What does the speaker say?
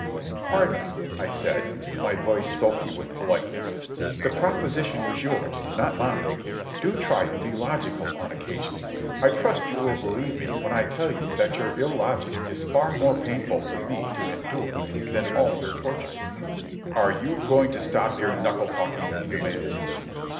"Pardon me," I said, my voice sulky with politeness. "The proposition was yours, not mine. Do try and be logical on occasion. I trust you will believe me when I tell you that your illogic is far more painful for me to endure than all your tortures." "Are you going to stop your knuckle talking?" he demanded.